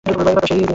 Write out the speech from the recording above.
এটাইতো এখন করছি।